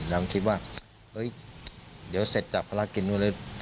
แล้วคิดว่าเอ๊ยเดี๋ยวเสร็จจากภาระกิรุณนุษย์